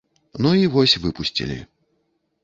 Ну і вось, выпусцілі.